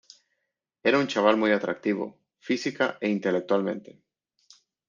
Era un chaval muy atractivo, física e intelectualmente.